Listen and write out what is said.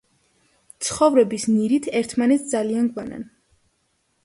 ცხოვრების ნირით ერთმანეთს ძალიან გვანან.